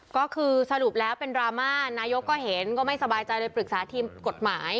ก็คือสรุปแล้วเป็นดราม่านายกก็เห็นก็ไม่สบายใจเลยปรึกษาทีมกฎหมาย